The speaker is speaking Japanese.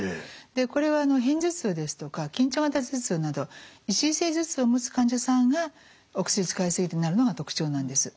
これは片頭痛ですとか緊張型頭痛など一次性頭痛を持つ患者さんがお薬使いすぎてなるのが特徴なんです。